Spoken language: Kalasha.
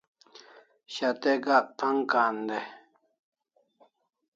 Shat'e gak tan'g kan dai